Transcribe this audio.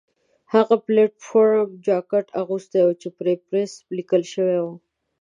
هغې بلېټ پروف جاکټ اغوستی و چې پرې پریس لیکل شوي وو.